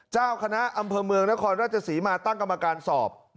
เจ้าคณะอำเภอเมืองนครราชศรีมาตั้งกรรมการสอบ